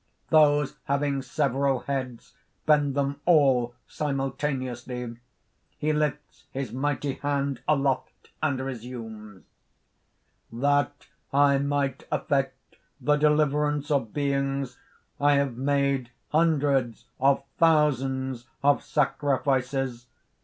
Those having several heads, bend them all simultaneously. He lifts his mighty hand aloft, and resumes_:) "That I might effect the deliverance of beings, I have made hundreds of thousands of sacrifices!